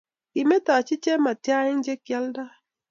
kimetochi chematia eng chekialdai